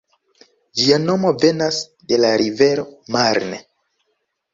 Ĝia nomo venas de la rivero Marne.